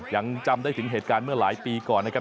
ยังจำได้ถึงเหตุการณ์เมื่อหลายปีก่อนนะครับ